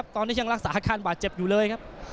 ตอนนี้ยังรักษาอาการบาดเจ็บอยู่เลยครับ